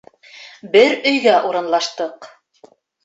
Бер өйгә урынлаштыҡ.